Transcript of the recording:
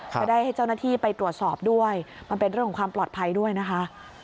จะได้ให้เจ้าหน้าที่ไปตรวจสอบด้วยมันเป็นเรื่องของความปลอดภัยด้วยนะคะ